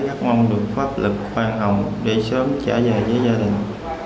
các mong được pháp lực khoan hồng để sớm trở về với gia đình